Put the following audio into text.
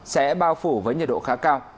sẽ bao phủ với nhiệt độ khá cao